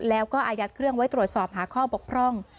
แล้วก็อายัดเครื่องไว้ตรวจสอบหาข้อบกพร่อง